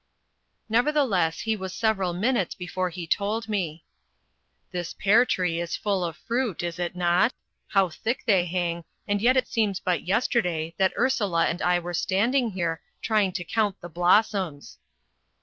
Nevertheless he was several minutes before he told me. "This pear tree is full of fruit is it not? How thick they hang and yet it seems but yesterday that Ursula and I were standing here, trying to count the blossoms."